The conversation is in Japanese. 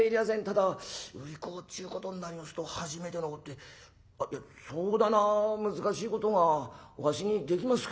ただ売り子ちゅうことになりますと初めてのこってそだな難しいことがわしにできますかい？」。